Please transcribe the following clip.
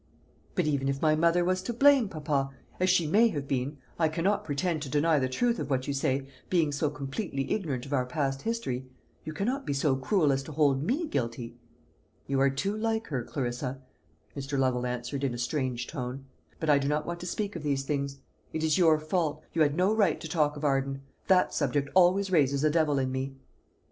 "But even if my mother was to blame, papa as she may have been I cannot pretend to deny the truth of what you say, being so completely ignorant of our past history you cannot be so cruel as to hold me guilty?" "You are too like her, Clarissa," Mr. Lovel answered, in a strange tone. "But I do not want to speak of these things. It is your fault; you had no right to talk of Arden. That subject always raises a devil in me."